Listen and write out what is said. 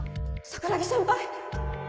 桜樹先輩